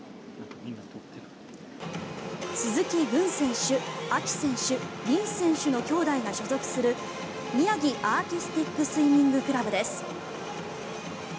鈴木郡選手、歩樹選手、輪選手の兄弟が所属する宮城アーティスティックスイミングクラブです。